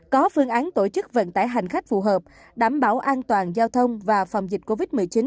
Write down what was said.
có phương án tổ chức vận tải hành khách phù hợp đảm bảo an toàn giao thông và phòng dịch covid một mươi chín